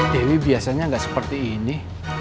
dewi biasanya nggak seperti ini